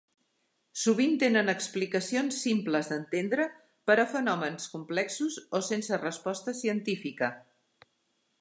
Sovint tenen explicacions simples d'entendre per a fenòmens complexos o sense resposta científica.